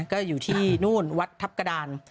ก็อยู่ที่นู่นวัดทัพกระดาน